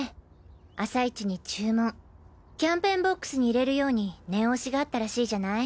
朝イチに注文キャンペーンボックスに入れるように念押しがあったらしいじゃない。